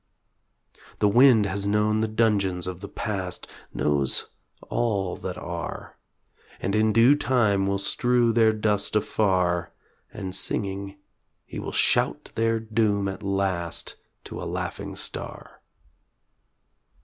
The wind has known the dungeons of the past Knows all that are; And in due time will strew their dust afar, And singing, he will shout their doom at last To a laughing star.